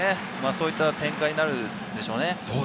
そういった展開になるでしょうね。